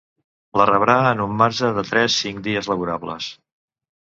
La rebrà en un marge de tres-cinc dies laborables.